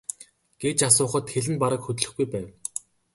гэж асуухад хэл нь бараг хөдлөхгүй байв.